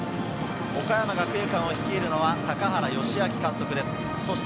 岡山学芸館を率いるのは高原良明監督です。